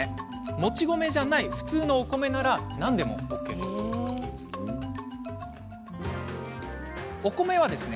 もち米じゃない普通のお米なら何でもＯＫです。